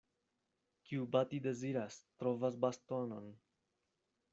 Kiu bati deziras, trovas bastonon.